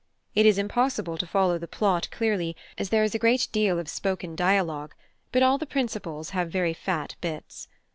It is impossible to follow the plot clearly, as there is a great deal of spoken dialogue; but all the principals have very "fat" bits.